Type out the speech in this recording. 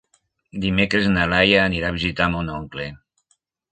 Dimecres na Laia anirà a visitar mon oncle.